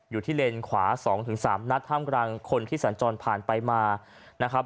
เลนขวา๒๓นัดท่ามกลางคนที่สัญจรผ่านไปมานะครับ